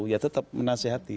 ya tetap menasehati